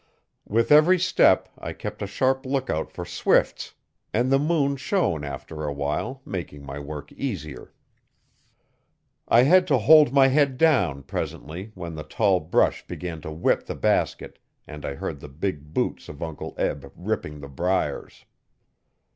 With every step I kept a sharp lookout for swifts, and the moon shone after a while, making my work easier. I had to hold my head down, presently, when the tall brush began to whip the basket and I heard the big boots of Uncle Eb ripping the briars.